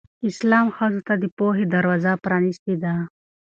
اسلام ښځو ته د پوهې دروازه پرانستې ده.